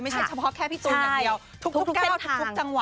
ไม่ใช่เฉพาะแค่พี่ตูนหนังเดียว